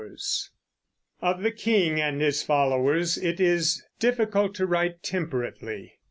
Of the king and his followers it is difficult to write temperately.